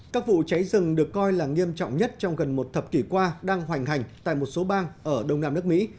các vụ cháy rừng được coi là nghiêm trọng nhất trong gần một thập kỷ qua đang hoành hành tại một số bang ở đông nam nước mỹ